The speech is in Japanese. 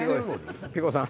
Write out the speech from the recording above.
ピコさん。